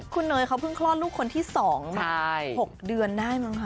คุณเนยเขาเพิ่งคลอดลูกคนที่๒มา๖เดือนได้มั้งคะ